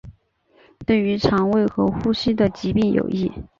对于胃肠和呼吸的疾病有益。